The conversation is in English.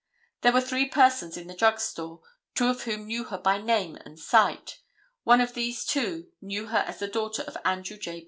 There were three persons in the drug store, two of whom knew her by name and sight; one of these, too, knew her as the daughter of Andrew J.